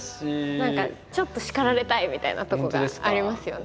何かちょっと叱られたいみたいなとこがありますよね。